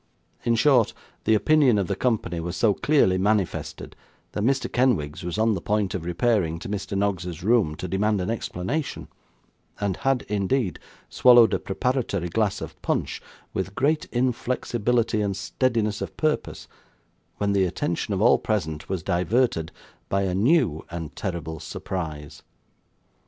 In short, the opinion of the company was so clearly manifested, that Mr. Kenwigs was on the point of repairing to Mr. Noggs's room, to demand an explanation, and had indeed swallowed a preparatory glass of punch, with great inflexibility and steadiness of purpose, when the attention of all present was diverted by a new and terrible surprise.